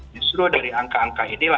justru dari angka angka inilah